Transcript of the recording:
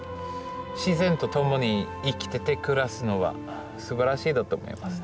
自然と共に生きてて暮らすのはすばらしいだと思いますね。